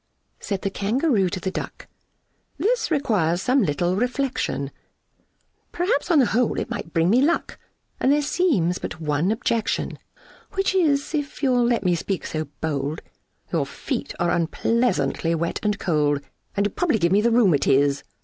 Said the Kangaroo to the Duck, "This requires some little reflection; Perhaps on the whole it might bring me luck, And there seems but one objection, Which is, if you'll let me speak so bold, Your feet are unpleasantly wet and cold, And would probably give me the roo Matiz."